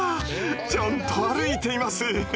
ちゃんと歩いています。